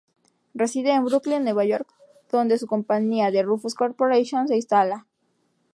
Reside en Brooklyn, Nueva York, donde su compañía, The Rufus Corporation, se instala.